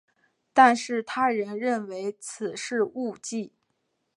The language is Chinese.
但是他人认为此是误记。